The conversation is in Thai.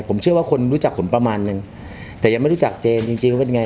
ผมเชื่อว่าคนรู้จักผมประมาณนึงแต่ยังไม่รู้จักเจนจริงจริงว่าเป็นไง